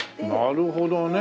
なるほどね。